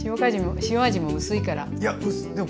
塩味も薄いから。